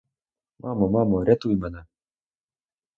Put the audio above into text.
Мамо, мамо, рятуй мене!